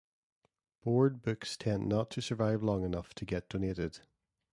Board books tend not to survive long enough to get donated.